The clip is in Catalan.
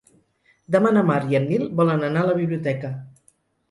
Demà na Mar i en Nil volen anar a la biblioteca.